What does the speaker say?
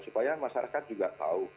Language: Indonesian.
supaya masyarakat juga tahu